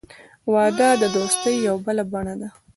• واده د دوستۍ یوه بله بڼه ده.